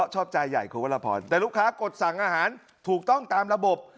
ชอบใจใหญ่คุณวรพรแต่ลูกค้ากดสั่งอาหารถูกต้องตามระบบ